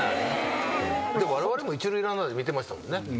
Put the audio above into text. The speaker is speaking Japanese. でもわれわれも一塁ランナーで見てましたもんね。